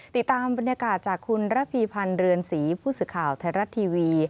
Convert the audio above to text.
ติดตามบรรยากาศจากคุณระพีพันธ์เรือนศรีผู้สื่อข่าวไทยรัฐทีวี